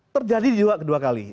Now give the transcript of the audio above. terjadi juga kedua kali